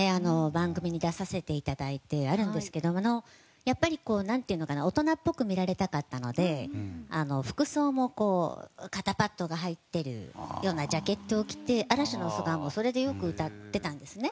番組に出させていただいてあるんですけどやっぱり大人っぽく見られたかったので服装も肩パットが入ってるようなジャケットを着て「嵐の素顔」もそれでよく歌ってたんですね。